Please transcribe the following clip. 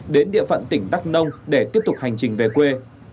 đến địa phận tỉnh đắk nông để tiếp tục hành trình về quê